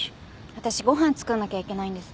私ご飯作んなきゃいけないんです。